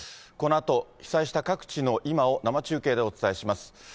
このあと、被災した各地の今を生中継でお伝えします。